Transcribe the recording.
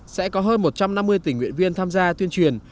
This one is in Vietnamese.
sẽ có hơn một trăm năm mươi tỉnh nguyện viên tham gia tuyên truyền